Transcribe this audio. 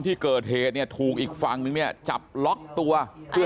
ที่เกิดเหตุเนี่ยถูกอีกฝั่งนึงเนี่ยจับล็อกตัวเพื่อ